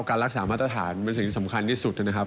การรักษามาตรฐานเป็นสิ่งที่สำคัญที่สุดนะครับ